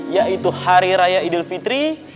yaitu hari raya idul fitri